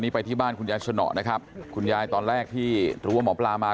ไปที่บ้านคุณยายสนอนะครับคุณยายตอนแรกที่รู้ว่าหมอปลามา